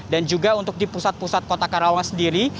dan juga untuk di pusat pusat kota karawang sendiri